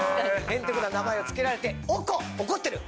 ヘンテコな名前を付けられて「おこ」怒ってる。